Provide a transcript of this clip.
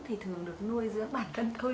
thì thường được nuôi dưỡng bản thân thôi